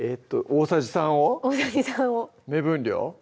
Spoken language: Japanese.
大さじ３を目分量？